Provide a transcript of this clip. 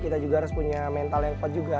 kita juga harus punya mental yang kuat juga